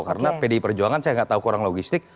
karena pdi perjuangan saya tidak tahu kurang logistik